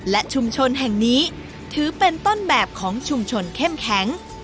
และชุมชนแห่งนี้ถือเป็นต้นแบบของชุมชนเข้มแข็ง